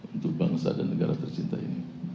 untuk bangsa dan negara tercinta ini